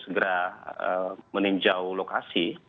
segera meninjau lokasi